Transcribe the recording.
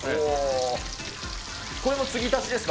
これも継ぎ足しですか？